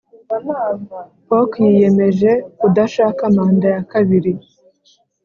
polk yiyemeje kudashaka manda ya kabiri